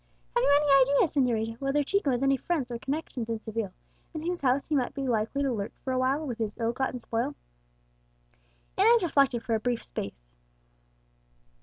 Have you any idea, señorita, whether Chico has any friends or connections in Seville, in whose house he might be likely to lurk for awhile with his ill gotten spoil?" Inez reflected for a brief space.